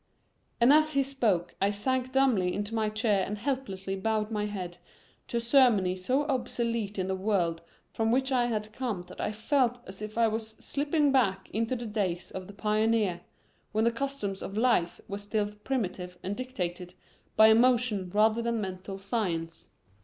And as he spoke I sank dumbly into my chair and helplessly bowed my head to a ceremony so obsolete in the world from which I had come that I felt as if I was slipping back into the days of the pioneer, when the customs of life were still primitive and dictated by emotion rather than mental science.